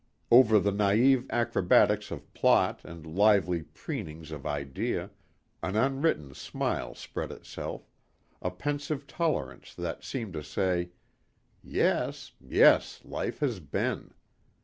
Over the naive acrobatics of plot and lively preenings of idea, an unwritten smile spread itself, a pensive tolerance that seemed to say, "Yes, yes, life has been.